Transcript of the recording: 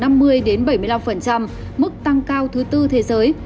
mức tăng cao thứ tư thế giới